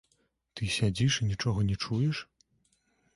Ты сядзіш і нічога не чуеш?